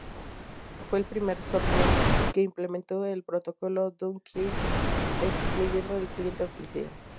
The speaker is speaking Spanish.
Fue el primer software que implementó el protocolo eDonkey, excluyendo el cliente oficial.